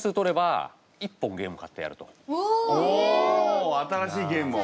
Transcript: お新しいゲームを？